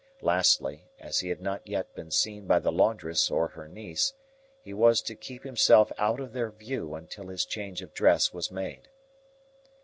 Lastly, as he had not yet been seen by the laundress or her niece, he was to keep himself out of their view until his change of dress was made.